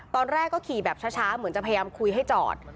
ตอนแรกก็ขี่แบบช้าเหมือนจะพยายามคุยให้จอด